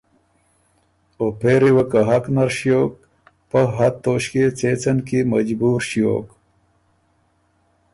او پېری وه که حق نر ݭیوک، پۀ حد توݭکيې څېڅن کی مجبور ݭیوک